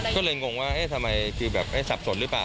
ก็เลยงงว่าเอ๊ะทำไมคือแบบสับสนหรือเปล่า